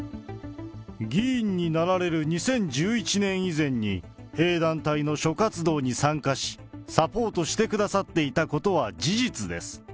議員になられる２０１１年以前に、弊団体の諸活動に参加し、サポートしてくださっていたことは事実です。